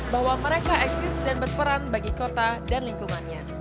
bahwa mereka eksis dan berperan bagi kota dan lingkungannya